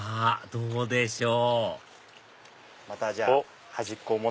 どうでしょう？